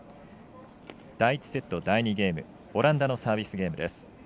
第１セット第２ゲームオランダのサービスゲーム。